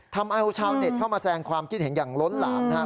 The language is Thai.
ทำเอาชาวเน็ตเข้ามาแสงความคิดเห็นอย่างล้นหลามนะครับ